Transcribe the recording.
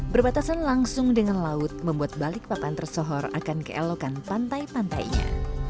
berbatasan langsung dengan laut membuat balikpapan tersohor akan keelokan pantai pantainya